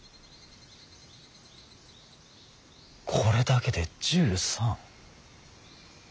これだけで１３。